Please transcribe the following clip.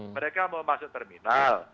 mereka mau masuk terminal